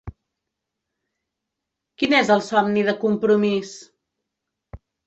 Quin és el somni de Compromís?